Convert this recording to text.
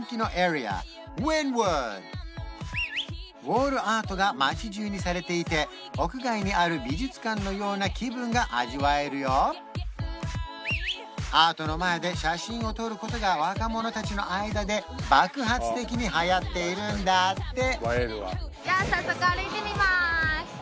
ウィンウッドウォールアートが街じゅうにされていて屋外にある美術館のような気分が味わえるよアートの前で写真を撮ることが若者達の間で爆発的にはやっているんだって